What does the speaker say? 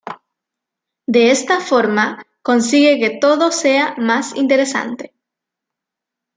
De esta forma, consigue que todo sea más interesante.